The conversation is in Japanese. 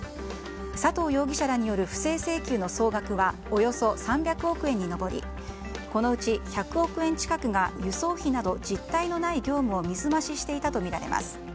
佐藤容疑者らによる不正請求の総額はおよそ３００億円に上りこのうち１００億円近くが輸送費など実態のない業務を水増ししていたとみられます。